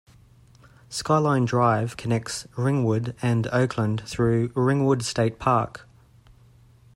Skyline Drive connects Ringwood and Oakland through Ringwood State Park.